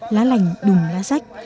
lá lành đùm lá rách